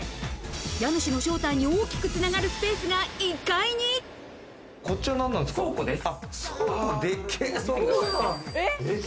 家主の正体に大きくつながるスペースが１倉庫です。